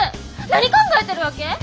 何考えてるわけ？